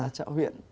ở chợ huyện